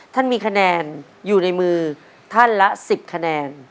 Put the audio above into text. ท่านมีคะแนนอยู่ในมือท่านละ๑๐คะแนน